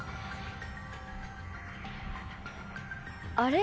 あれ？